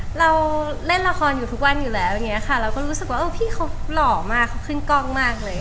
เราเล่นละครอยู่ทุกวันอยู่แล้วอย่างนี้ค่ะเราก็รู้สึกว่าเออพี่เขาหล่อมากเขาขึ้นกล้องมากเลย